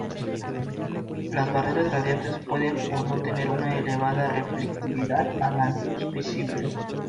Las barreras radiantes pueden o no tener una elevada reflectividad a la luz visible.